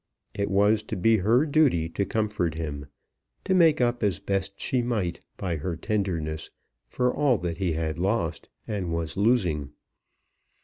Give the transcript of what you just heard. It was to be her duty to comfort him, to make up as best she might by her tenderness for all that he had lost and was losing.